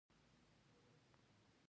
ایا زه باید ژاړم؟